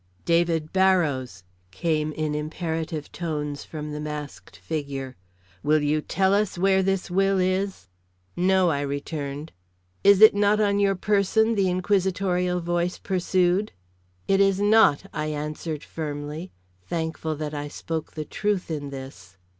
"David Barrows," came in imperative tones from the masked figure, "will you tell us where this will is?" "No," I returned. "Is it not on your person?" the inquisitorial voice pursued. "It is not," I answered, firmly, thankful that I spoke the truth in this.